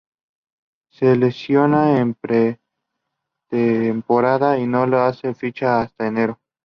Se lesiona en pretemporada y no le hacen ficha hasta enero.